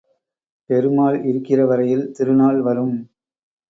பெருமாள் இருக்கிற வரையில் திருநாள் வரும்.